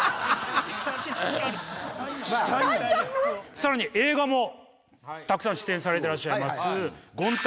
さらに映画もたくさん出演されてらっしゃいます。